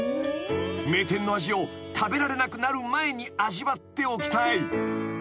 ［名店の味を食べられなくなる前に味わっておきたい］